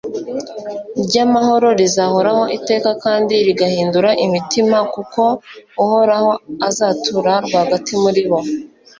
ry'amahoro, rizahoraho iteka kandi rigahindura imitima kuko uhoraho azatura rwagati muri bo